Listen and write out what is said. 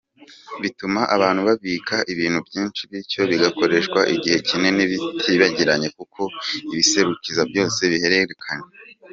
Bituma abantu babika ibintu byinshi bityo bigakoreshwa igihe kinini bitibagiranye kuko ibisekuruza byose bibihererekanya.